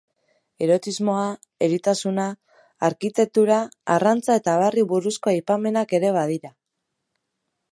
Erotismoa, eritasuna, arkitektura, arrantza eta abarri buruzko aipamenak ere badira.